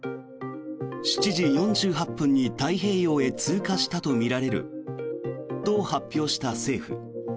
７時４８分に太平洋へ通過したとみられると発表した政府。